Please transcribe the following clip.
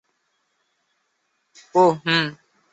ওহ, হুম!